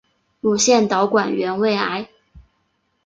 乳腺导管原位癌。